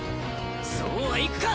そうはいくか！